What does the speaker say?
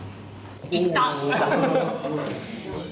いった！